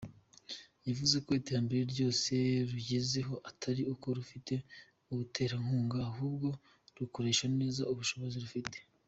Yavuze ko iterambere ryose rugezeho atari uko rufite abaterankunga ahubwo rukoresha neza ubushobozi rufite.